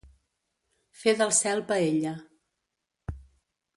Fer del cel paella.